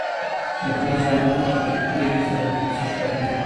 یخنۍ جامې دومره کلکې کړې وې چې د لرګي په څېر ښکارېدې.